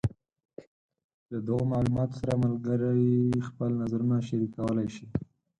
له دغو معلوماتو سره ملګري خپل نظرونه شریکولی شي.